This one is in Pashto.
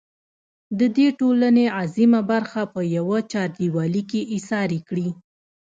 د دې ټـولنې اعظـيمه بـرخـه پـه يـوه چـارديـوالي کـې اېـسارې کـړي.